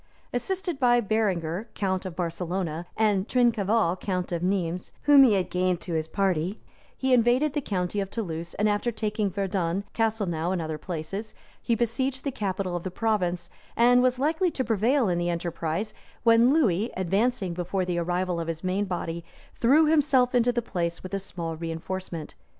] Assisted by Berenger, count of Barcelona, and Trincaval, count of Nismes, whom he had gained to his party, he invaded the county of Toulouse; and after taking Verdun, Castlenau, and other places, he besieged the capital of the province, and was likely to prevail in the enterprise; when Lewis, advancing before the arrival of his main body, threw himself into the place with a small reenforcement.